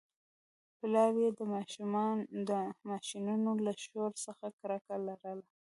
پلار یې د ماشینونو له شور څخه کرکه لرله